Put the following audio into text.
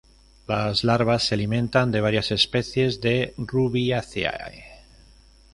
Las larvas se alimentan de varias especies de Rubiaceae.